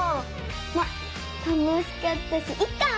ま楽しかったしいっか。